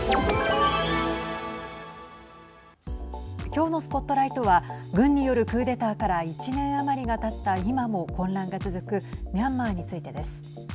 きょうのＳＰＯＴＬＩＧＨＴは軍によるクーデターから１年余りがたった今も混乱が続くミャンマーについてです。